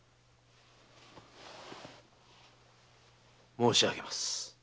申しあげます。